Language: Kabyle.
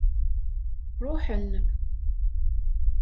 Ṛuḥen.